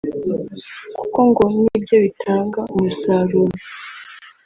kuko ngo ni byo bitanga umusaruro